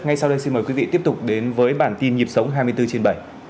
ngay sau đây xin mời quý vị tiếp tục đến với bản tin nhịp sống hai mươi bốn trên bảy